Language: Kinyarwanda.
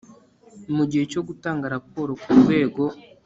Mu gihe cyo gutanga raporo ku Rwego